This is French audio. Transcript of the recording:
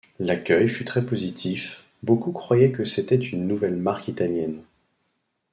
L'accueil fut très positif, beaucoup croyaient que c'était une nouvelle marque italienne.